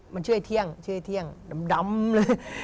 มันชื่อไอ้เที่ยงชื่อไอ้เที่ยงดำเลย